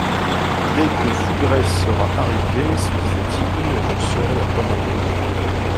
Dès que Fougueray sera arrivé, se disait-il, je saurai à quoi m'en tenir.